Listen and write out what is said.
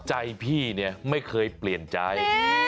ใจพี่เนี่ยไม่เคยเปลี่ยนใจ